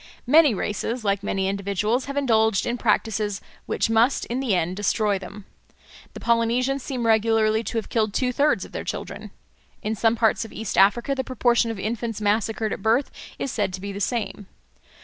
Many races, like many individuals, have indulged in practices which must in the end destroy them. The Polynesians seem regularly to have killed two thirds of their children. In some parts of East Africa the proportion of infants massacred at birth is said to be the same.